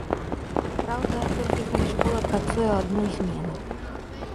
Праўда, толькі калі школа працуе ў адну змену.